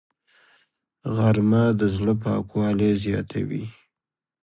غرمه د زړه پاکوالی زیاتوي